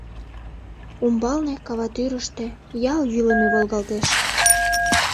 Умбалне, кава тӱрыштӧ, ял йӱлымӧ волгалтеш.